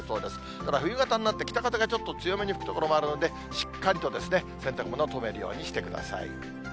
ただ、冬型になって、北風がちょっと強めに吹く所もあるので、しっかりとですね、洗濯物は留めるようにしてください。